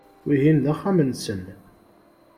Wihin d axxam-nsen.